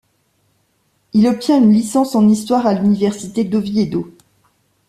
Il obtient une licence en histoire à l'Université d'Oviedo.